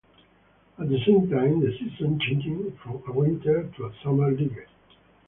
At the same time, the season changed from a winter to a summer league.